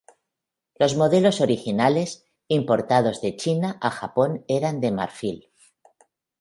Los modelos originales, importados de China a Japón eran de marfil.